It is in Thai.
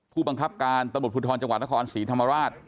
ผู้บังคับการตำรวจภูทรจังหวัดนครศรีธรรมราช